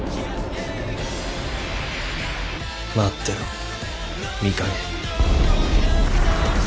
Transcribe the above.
待ってろ美影。